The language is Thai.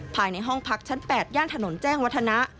ภายในห้องพักชั้น๘ย่านถนนแจ้งวัฒนะ